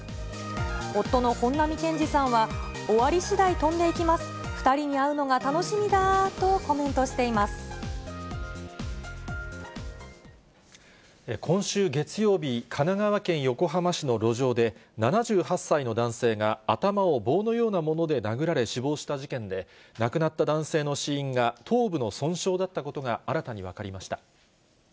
夫の本並健治さんは、終わりしだい飛んでいきます、２人に会うのが楽しみだーとコメントして今週月曜日、神奈川県横浜市の路上で、７８歳の男性が頭を棒のようなもので殴られ、死亡した事件で、亡くなった男性の死因が、頭部の損傷だったことが新たに分かりました。